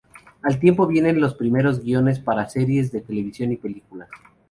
Al tiempo vienen los primeros guiones para series de televisión y películas.